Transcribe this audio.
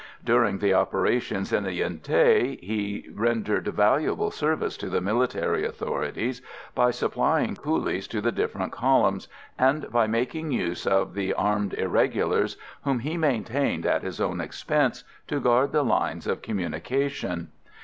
During the operations in the Yen Thé he rendered valuable service to the military authorities by supplying coolies to the different columns, and by making use of the armed irregulars, whom he maintained at his own expense, to guard the lines of communication.